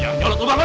ya ampun ya ampun